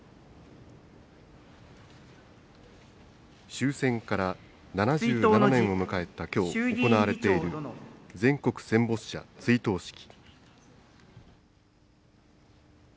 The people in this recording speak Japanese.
終戦から７７年を迎えたきょう、行われている全国戦没者追悼式。